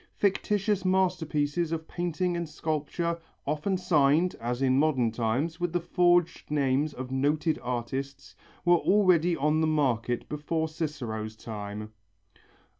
Fictitious masterpieces of painting and sculpture, often signed, as in modern times, with the forged names of noted artists, were already on the market before Cicero's time.